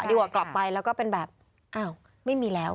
ดีกว่ากลับไปแล้วก็เป็นแบบอ้าวไม่มีแล้ว